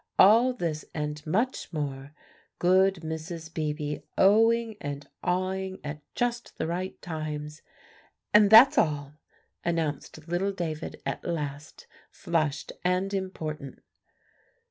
all this and much more; good Mrs. Beebe oh ing and ah ing at just the right times. "And that's all," announced little David at last, flushed and important.